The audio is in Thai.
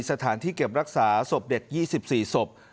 สถานที่เก็บรักษาศพเด็ก๒๔ศพ